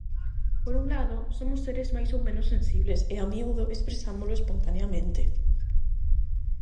Por un lado, somos seres máis ou menos sensibles e a miúdo expresámolo espontaneamente.